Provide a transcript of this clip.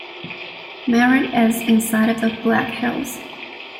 Merritt is inside of the Black Hills.